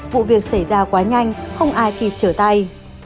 vụ việc xảy ra quá nhanh không ai kịp trở tay